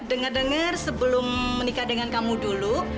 dengar dengar sebelum menikah dengan kamu dulu